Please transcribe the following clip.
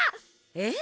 えっ！？